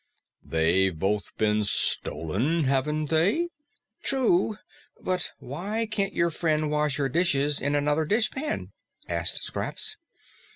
"They've both been stolen, haven't they?" "True. But why can't your friend wash her dishes in another dishpan?" asked Scraps.